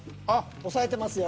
押さえてますよ。